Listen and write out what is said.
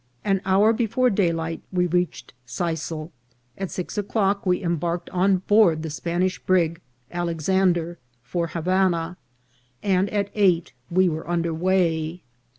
An hour before daylight we reached Sisal, at six o'clock we embarked on board the Spanish brig Alexandre for Havana, and at eight we were un der way.